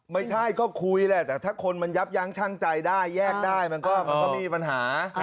ไม่ใช่ก็คุยแหละแต่ถ้าคนมันยับยั้งชั่งใจได้แยกได้มันก็ไม่มีปัญหา